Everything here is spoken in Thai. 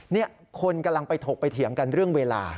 นี่คนกำลังไปถกไปเถียงกันเรื่องเวลา